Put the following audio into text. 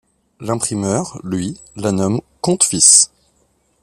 L'imprimeur, lui, la nomme compte-fils.